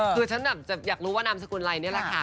คือฉันอยากรู้ว่านามสกุลอะไรนี่แหละค่ะ